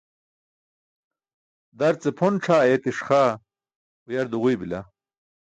Darce pʰon c̣ʰaa ayeetiṣ xaa uyar duġuybila.